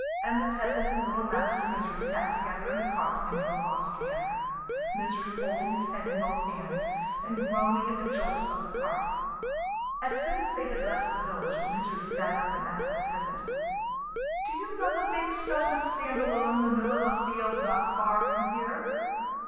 And the peasant and little Master Misery sat together in the cart and drove off together, Misery holding his head in both hands and groaning at the jolt of the cart. As soon as they had left the village, Misery sat up and asked the peasant, "Do you know the big stone that stands alone in the middle of a field not far from here?"